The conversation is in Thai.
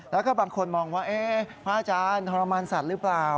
แล้วก็บางคนมองว่าพระอาจารย์ทรมานสัตว์หรือเปล่า